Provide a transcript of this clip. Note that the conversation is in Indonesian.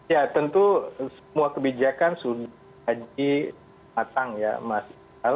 ya tentu semua kebijakan sudah diatang ya mas